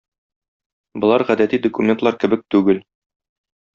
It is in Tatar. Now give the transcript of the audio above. Болар гадәти документлар кебек түгел.